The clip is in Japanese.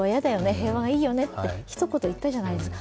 平和がいいよねって、ひと言言ったじゃないですか。